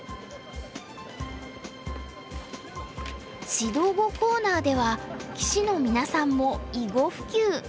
指導碁コーナーでは棋士の皆さんも囲碁普及。